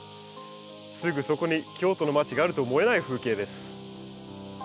すぐそこに京都の街があると思えない風景です。